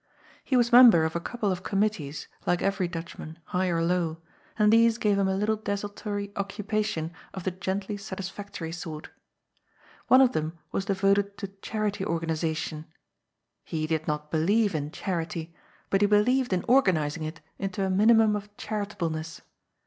He was member of a couple of committees, like every Dutchman, high or low, and these gave him a little desultory occupation of the gently satis factory sort. One of them was devoted to Charity Organ ization. He did not believe in charity, but he believed in organizing it into a minimum of charitableness.